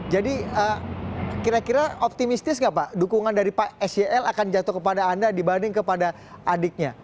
jadi kira kira optimistis nggak pak dukungan dari pak sjl akan jatuh kepada anda dibanding kepada adiknya